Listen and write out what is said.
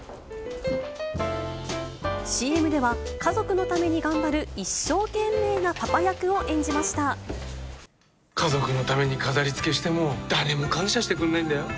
ＣＭでは、家族のために頑張る、家族のために飾りつけしても、誰も感謝してくんないんだよ。